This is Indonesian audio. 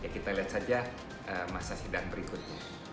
kita lihat saja masa sidang berikutnya